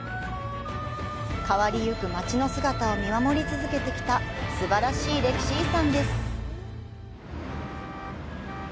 変わり行く街の姿を見守り続けてきたすばらしい歴史遺産です。